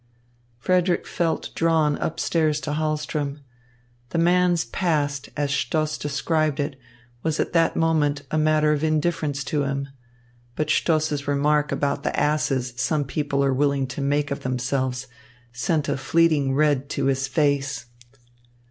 Frederick felt drawn up stairs to Hahlström. The man's past as Stoss described it was at that moment a matter of indifference to him. But Stoss's remark about the asses some people are willing to make of themselves sent a fleeting red to his face.